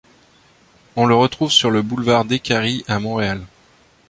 On le retrouve sur le boulevard Décarie à Montréal.